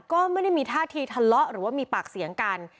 ก็ไม่ได้มีท่าทีทะเลาะหรือว่ามีปากเสียงกัน